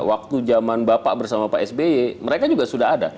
waktu zaman bapak bersama pak sby mereka juga sudah ada